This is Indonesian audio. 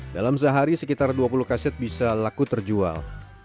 dalam sehari sekitar dua puluh kaset bisa laku terjual